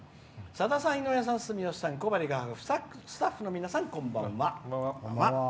「さださん、住吉さん、井上さん小針さん、スタッフの皆さんこんばんは。